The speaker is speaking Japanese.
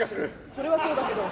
それはそうだけど。